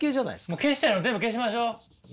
もう消したいの全部消しましょう。